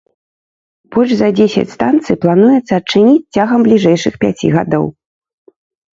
Больш за дзесяць станцый плануецца адчыніць цягам бліжэйшых пяці гадоў.